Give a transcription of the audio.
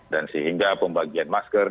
dan sehingga pembagian masker